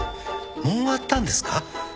もう終わったんですか？